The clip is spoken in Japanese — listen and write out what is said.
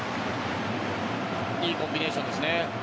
良いコンビネーションですね。